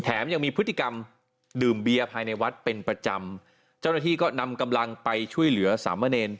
ยังมีพฤติกรรมดื่มเบียร์ภายในวัดเป็นประจำเจ้าหน้าที่ก็นำกำลังไปช่วยเหลือสามเณร